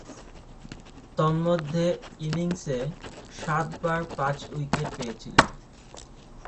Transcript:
তন্মধ্যে, ইনিংসে সাতবার পাঁচ-উইকেট পেয়েছিলেন।